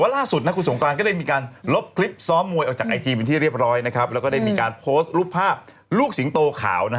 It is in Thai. และก็ได้มีการโพสต์รูปภาพลูกสิงโตขาว